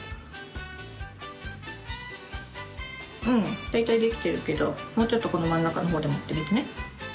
うん。大体できてるけどもうちょっとこの真ん中の方で持ってみてね。